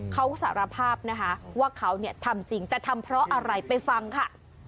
เขาสารภาพนะคะว่าเขาเนี่ยทำจริงแต่ทำเพราะอะไรไปฟังค่ะ